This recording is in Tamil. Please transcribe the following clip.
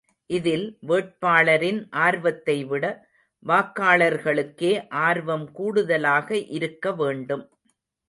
இதில் வேட்பாளரின் ஆர்வத்தை விட வாக்காளர்களுக்கே ஆர்வம் கூடுதலாக இருக்க வேண்டும்.